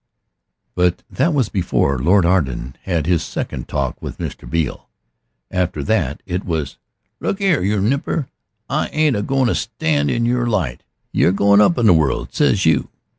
But that was before Lord Arden had his second talk with Mr. Beale. After that it was "Look 'ere, you nipper, I ain't a goin' to stand in your light. You're goin' up in the world, says you.